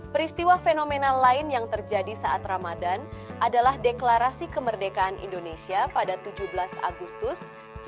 peristiwa fenomena lain yang terjadi saat ramadan adalah deklarasi kemerdekaan indonesia pada tujuh belas agustus seribu sembilan ratus empat puluh lima